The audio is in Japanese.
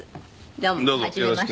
どうもはじめまして。